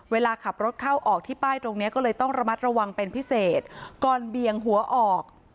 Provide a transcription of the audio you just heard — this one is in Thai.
เวลาขับรถเข้าออกที่ป้ายตรงนี้ก็เลยต้องระมัดระวังเป็นพิเศษก่อนเบี่ยงหัวออก